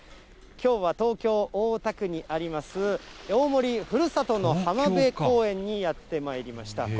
きょうは東京・大田区にあります、大森ふるさとの浜辺公園にやってまいりました。